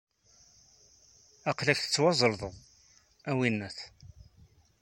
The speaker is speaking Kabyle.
Aql-ak tettwaẓelḍeḍ, a winn-at!